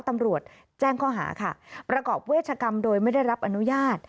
ตำรวจแจ้งข้อหาค่ะประกอบเวชกรรมโดยไม่ได้รับอนุญาต